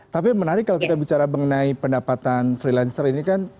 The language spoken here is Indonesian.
tapi menarik kalau kita bicara mengenai pendapatan freelancer ini kan